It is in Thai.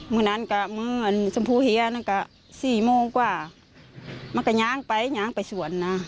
มึงนั้นก็มืออันสมภูเฮียน่ะก็สี่โมงกว่ามันก็ย้างไปย้างไปสวนน่ะ